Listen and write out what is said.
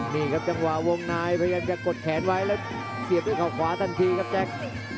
นี่ครับจังหวะวงในพยายามจะกดแขนไว้แล้วเสียบด้วยเขาขวาทันทีครับแจ๊ค